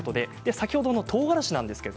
先ほどのとうがらし